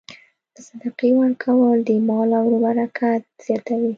د صدقې ورکول د مال او روح برکت زیاتوي.